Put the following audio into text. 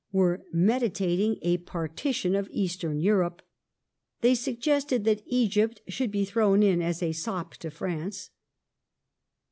were medi tating a partition of Eastern Europe, they suggested that Egypt should be thrown as a sop to France.